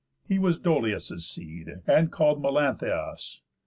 He was Dolius' seed, And call'd Melanthius.